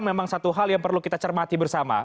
memang satu hal yang perlu kita cermati bersama